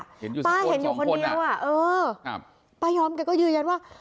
ป้าเห็นอยู่คนเดียวป้าย้อมก็ยืนยันว่า